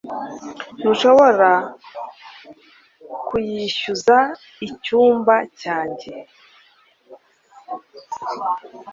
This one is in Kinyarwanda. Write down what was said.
ntushobora kuyishyuza icyumba cyanjye